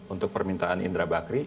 untuk permintaan indra bakri